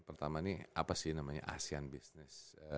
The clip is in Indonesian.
pertama ini apa sih namanya asean business